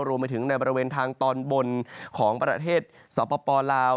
รวมไปถึงในบริเวณทางตอนบนของประเทศสปลาว